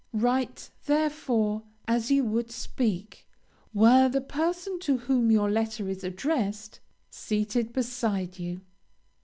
Write, therefore, as you would speak, were the person to whom your letter is addressed seated beside you.